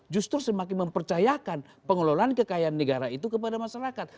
justru semakin mempercayakan pengelolaan kekayaan negara itu kepada masyarakat